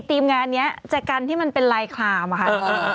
ทีมงานนี้จะกันที่มันเป็นลายคลามอะค่ะ